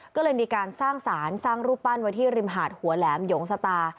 ก็เลยมีการสร้างสารสร้างรูปปั้นไว้ที่ริมหาดหัวแหลมหยงสตา